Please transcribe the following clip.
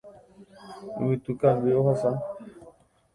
Yvytukangy ohasa